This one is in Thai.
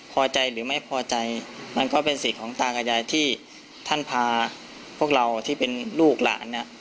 พอใจหรือไม่พอใจมันก็เป็นสิทธิ์ของตากับยายที่ท่านพาพวกเราที่เป็นลูกหลานเนี่ย